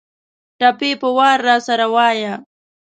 ټپې په وار راسره وايه